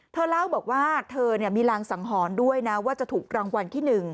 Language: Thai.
เธอเล่าบอกว่าเธอมีรางสังหรณ์ด้วยนะว่าจะถูกรางวัลที่๑